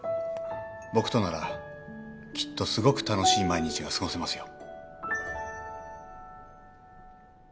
僕とならきっとすごく楽しい毎日が過ごせますよ。